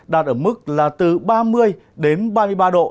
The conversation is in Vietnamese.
đạt ở mức là từ ba mươi đến ba mươi ba độ